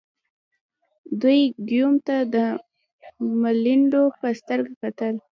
دوی ګیوم ته د ملنډو په سترګه کتل.